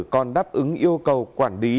còn đáp ứng yêu cầu quản lý